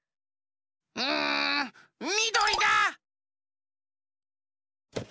うんみどりだ！